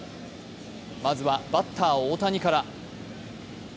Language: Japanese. まずはバッター・大谷から。